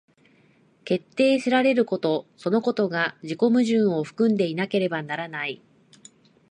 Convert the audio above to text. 決定せられることそのことが自己矛盾を含んでいなければならない。